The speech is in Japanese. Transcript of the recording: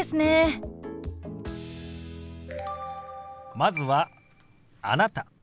まずは「あなた」。